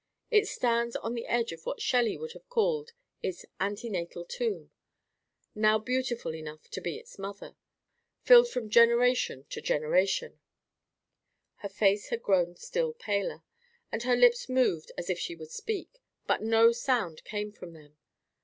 It stands on the edge of what Shelley would call its 'antenatal tomb'—now beautiful enough to be its mother—filled from generation to generation "— Her face had grown still paler, and her lips moved as if she would speak; but no sound came from them.